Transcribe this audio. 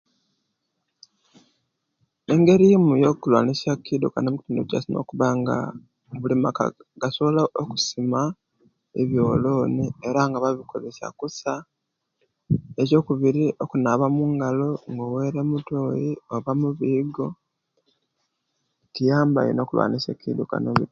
Engeri eyimu yokoluwanisiya ekidukano mukitundu kiyaisu nokubanga bulimaka gasobola okusoma ebiyoloni era nga babikolesiya kusa, ecokubiri okunaba omungalo nga owere mutoyi oba mubiyigo kiyamba ino okuluwanisiya ekidukano